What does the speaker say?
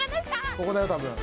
ここだよ多分。